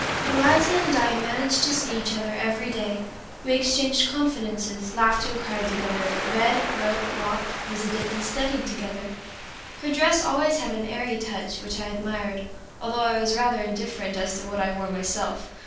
Eliza and I managed to see each other every day; we exchanged confidences, laughed and cried together, read, wrote, walked, visited, and studied together. Her dress always had an airy touch which I admired, although I was rather indifferent as to what I wore myself.